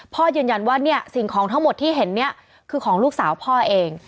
พ่อยืนยันว่าเนี่ยสิ่งของทั้งหมดที่เห็นเนี่ยคือของลูกสาวพ่อเอง